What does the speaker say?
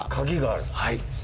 はい。